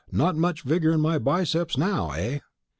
Not much vigour in my biceps now, eh?"